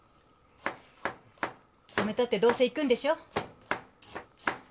止めたってどうせ行くんでしょ。